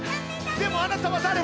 でもあなたはだれ？